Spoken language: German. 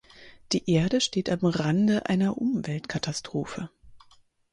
Die Erde steht am Rande einer Umweltkatastrophe.